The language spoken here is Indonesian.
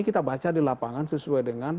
kita baca di lapangan sesuai dengan